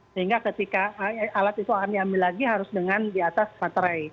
sehingga ketika alat itu akan diambil lagi harus dengan di atas materai